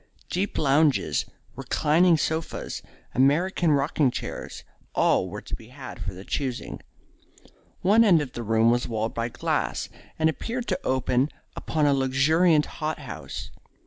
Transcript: Deep lounges, reclining sofas, American rocking chairs, all were to be had for the choosing. One end of the room was walled by glass, and appeared to open upon a luxuriant hot house.